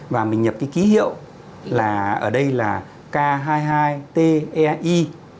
và mình nhập cái ký hiệu là ở đây là k hai mươi hai tia